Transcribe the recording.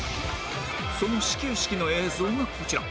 その始球式の映像がこちら